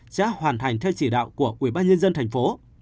sẽ hoàn thành theo chỉ đạo của ubnd tp